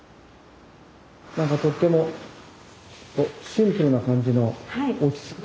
何かとってもシンプルな感じの落ち着く感じですね